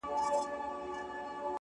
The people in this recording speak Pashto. چي بيا ترې ځان را خلاصولای نسم؛